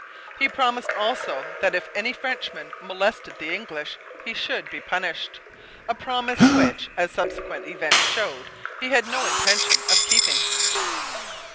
He promised also that if any Frenchman molested the English, he should be punished, a promise which, as subsequent events showed, he had no intention of keeping.